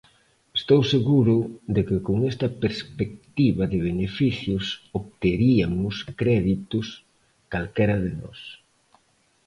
Estou seguro de que con esta perspectiva de beneficios obteriamos créditos calquera de nós.